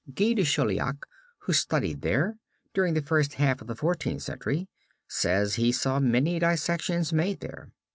Guy de Chauliac who studied there during the first half of the Fourteenth Century says he saw many dissections made there.